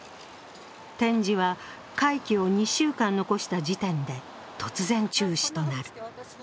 展示は会期を２週間残した時点で突然中止となる。